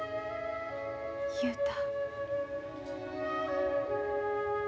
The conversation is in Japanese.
雄太。